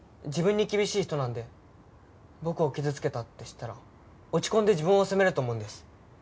自分に厳しい人なんで僕を傷つけたって知ったら落ち込んで自分を責めると思うんです。